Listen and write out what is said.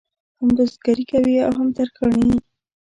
هم بزګري کوي او هم ترکاڼي.